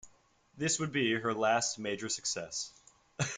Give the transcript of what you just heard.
This would be her last major success.